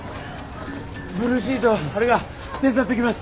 ブルーシート張るが手伝ってきます。